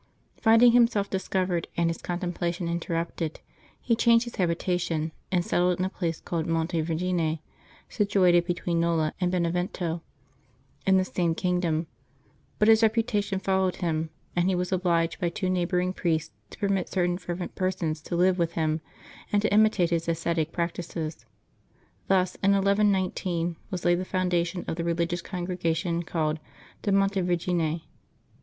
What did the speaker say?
Finding himself discovered and his contemplation interrupted, he changed his habita tion and settled in a place called Monte Vergine, situated between Nola and Benevento, in the same kingdom ; but his reputation followed him, and he was obliged by two neigh boring priests to permit certain fervent persons to live with him and to imitate his ascetic practices. Thus, in 1119, was laid the foundation of the religious congregation called de Monte Vergine.